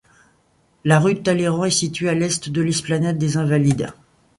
La rue de Talleyrand est située à l'est de l'esplanade des Invalides.